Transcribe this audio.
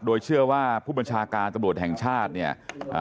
โดยเชื่อว่าผู้บัญชาการตำรวจแห่งชาติเนี่ย